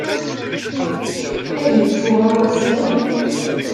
Ad yečč uɣawas-nni?